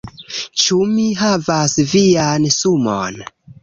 Ĉu mi havas vian sumon?